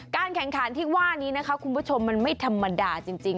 แข่งขันที่ว่านี้นะคะคุณผู้ชมมันไม่ธรรมดาจริง